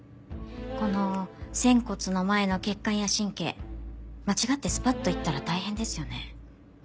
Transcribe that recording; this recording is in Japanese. この仙骨の前の血管や神経間違ってスパッといったら大変ですよね。